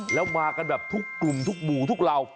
แล้วมากันแบบทุกกลุ่มทุกหมู่ทุกเหล่า